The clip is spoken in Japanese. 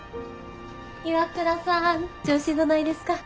岩倉さん調子どないですか？